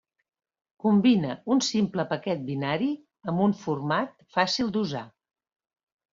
Combina un simple paquet binari amb un format fàcil d'usar.